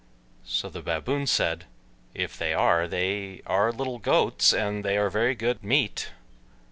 So the Baboon said, "If they are, they are little goats, and they are very good meat."